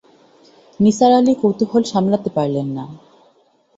নিসার আলি কৌতূহল সামলাতে পারলেন না।